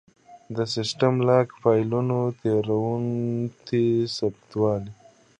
د سیسټم لاګ فایلونه تېروتنې ثبتوي.